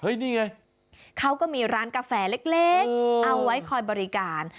นี่ไงเขาก็มีร้านกาแฟเล็กเอาไว้คอยบริการ